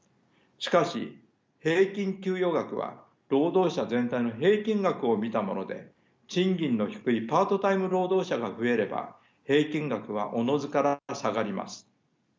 しかし平均給与額は労働者全体の平均額を見たもので賃金の低いパートタイム労働者が増えれば平均額はおのずから下がります。